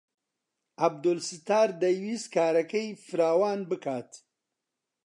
عەبدولستار دەیویست کارەکەی فراوان بکات.